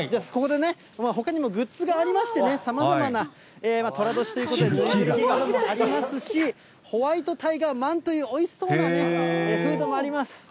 ここでね、ほかにもグッズがありましてね、さまざまなとら年ということで、いろいろなものがございますし、ホワイトタイガーまんというおいしそうなね、フードもあります。